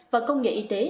và công nghệ y tế